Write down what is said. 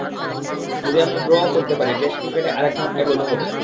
যদি আমরা ড্র-ও করতে পারি, টেস্ট ক্রিকেটে আরেকটা ধাপ এগোনো হবে।